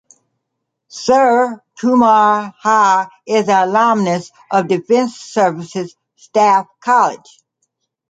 Suraj Kumar Jha is an alumnus of Defence Services Staff College.